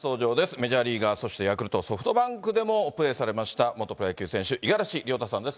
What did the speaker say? メジャーリーガー、そしてヤクルト、ソフトバンクでもプレーされました、元プロ野球選手、五十嵐亮太さんです。